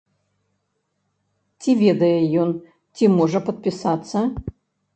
Ці ведае ён, ці можа падпісацца?